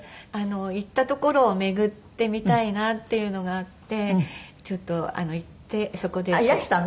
行った所を巡ってみたいなっていうのがあってちょっと行ってそこで。あっいらしたの？